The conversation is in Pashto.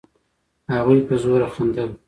هغوی په زوره خندل.